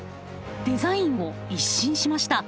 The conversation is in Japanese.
デザインを一新しました。